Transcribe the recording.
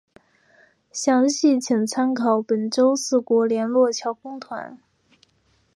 详细请参考本州四国联络桥公团。